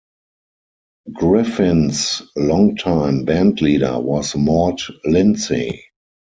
Griffin's longtime bandleader was Mort Lindsey.